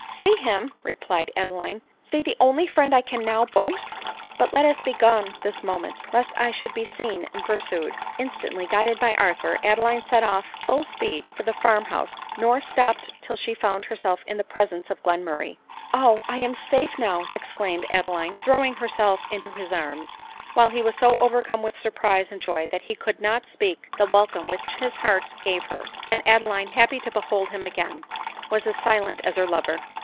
" See him ?" replied Adeline —" see the only friend I now can boast ? But let us be gone this moment, lest I should be seen and pursued." Instantly, guided by Arthur, Adeline set off full speed for the farm house, nor stopped till she found herself in the presence of Glenmurray !" Oh ! I am safe now !" exclaimed Adeline, throwing herself into his arms ; while he was so overcome with surprise and joy that he could not speak the welcome which his heart gave her ; and Adeline, happy to behold him again, was as silent as her lover.